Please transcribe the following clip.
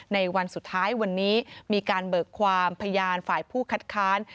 ในวันสุดท้ายวันนี้มีการเบิกความพยานฝ่ายผู้คัดค้าน